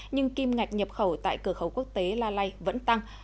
nhưng kim ngạch nhập khẩu tại cửa khẩu quốc tế lalay vẫn tăng